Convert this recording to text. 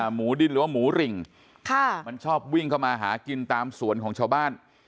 หมูดินหรือว่าหมูริงมันชอบวิ่งเข้ามาหากินตามสวนของชาวบ้าน